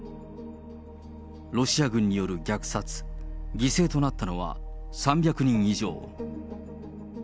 ロシア軍による虐殺、犠牲となったのは３００人以上。